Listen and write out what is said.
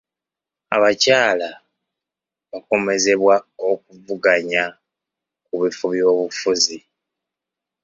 Abakyala bakomezebwa okuvuganya ku bifo by'obufuzi.